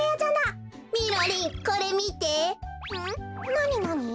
なになに？